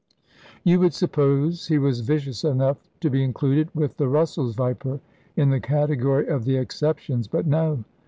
You would suppose he was vicious enough to be included with the Russell's viper in the category of the exceptions, but no.